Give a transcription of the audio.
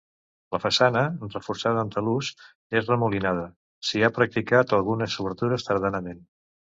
La façana, reforçada amb talús, és remolinada; s'hi ha practicat algunes obertures tardanament.